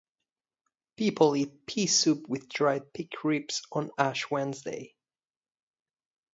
People eat pea soup with dried pig ribs on Ash Wednesday.